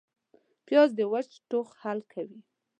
پیاز د وچ ټوخ حل کوي